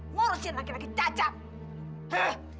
ngurusin laki laki cacat